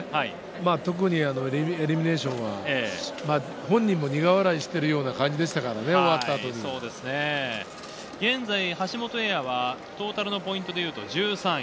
特にエリミネイションは、本人も苦笑いしているような感じでしたからね、現在、橋本英也はトータルのポイントでいうと１３位。